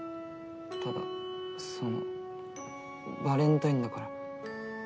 ただそのバレンタインだから。